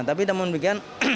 tapi namun begini